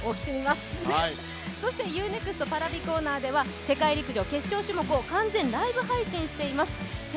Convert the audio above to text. そしてＵ−ＮＥＸＴ・Ｐａｒａｖｉコーナーでは世界陸上決勝種目をライブ配信しています。